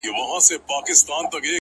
ستا د ښايستې خولې ښايستې خبري!!